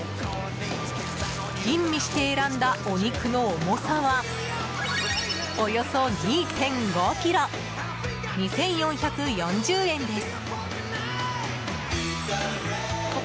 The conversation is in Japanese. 吟味して選んだお肉の重さはおよそ２．５ｋｇ２４４０円です。